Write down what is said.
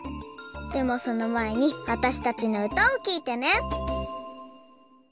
でもそのまえにわたしたちのうたをきいてね。